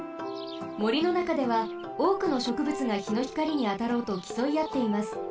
もりのなかではおおくのしょくぶつがひのひかりにあたろうときそいあっています。